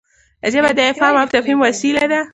ژبه د افهام او تفهیم وسیله ده.